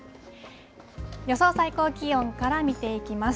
予想最高気温から見ていきます。